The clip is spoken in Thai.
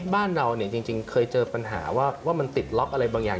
บ้านเราเนี่ยจริงเคยเจอปัญหาว่ามันติดล็อกอะไรบางอย่าง